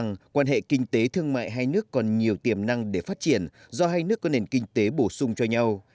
nguyễn xuân phúc cho rằng quan hệ kinh tế thương mại hai nước còn nhiều tiềm năng để phát triển do hai nước có nền kinh tế bổ sung cho nhau